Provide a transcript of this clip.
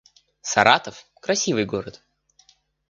Саратов — красивый город